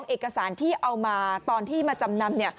เอกสารที่เอามาตอนที่มาจำนำ